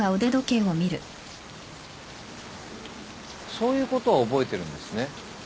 そういうことは覚えてるんですね。